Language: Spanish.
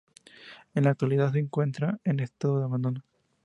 En la actualidad se encuentra en estado de abandono.